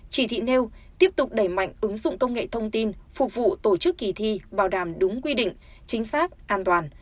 chỉ thị nêu tiếp tục đẩy mạnh ứng dụng công nghệ thông tin phục vụ tổ chức kỳ thi bảo đảm đúng quy định chính xác an toàn